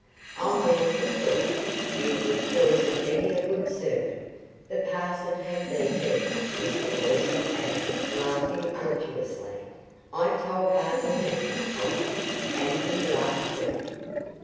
I'll answer for it, you give Poyser many a good sermon.' The parson had thee there," Mr. Poyser added, laughing unctuously. "I told Bartle Massey on it, an' he laughed too."